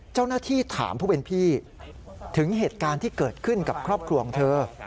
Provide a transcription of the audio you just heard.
เจ้าหน้าที่ถามผู้เป็นพี่ถึงเหตุการณ์ที่เกิดขึ้นกับครอบครัวของเธอ